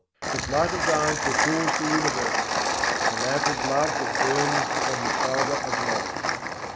This Light of Thine fulfils the universe: the lamp of love that burns on the salver of knowledge.